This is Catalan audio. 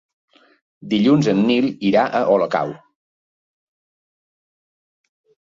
Dilluns en Nil irà a Olocau.